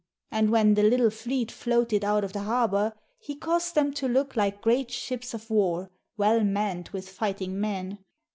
And when the little fleet floated out of the harbour, he caused them to look like great ships of war, well manned with fighting men.